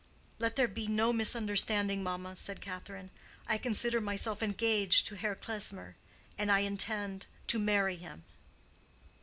"Let there be no misunderstanding, mamma," said Catherine; "I consider myself engaged to Herr Klesmer, and I intend to marry him."